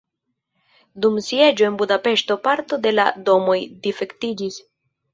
Dum sieĝo de Budapeŝto parto de la domoj difektiĝis.